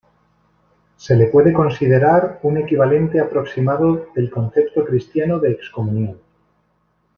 Se le puede considerar un equivalente aproximado del concepto cristiano de excomunión.